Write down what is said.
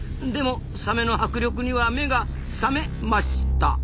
でもサメの迫力には目がサメました。